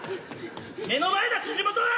目の前だ辻本は！